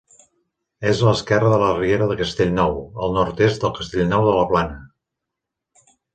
És a l'esquerra de la riera de Castellnou, al nord-est del Castellnou de la Plana.